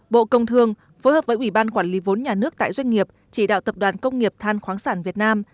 bộ công thương phối hợp với ubnd tại doanh nghiệp chỉ đạo tập đoàn công nghiệp than khoáng sản việt nam